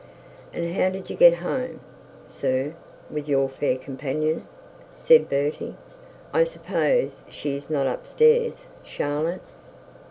'And how did you get home, sir, with your fair companion?' said Bertie. 'I suppose she is not up stairs, Charlotte?'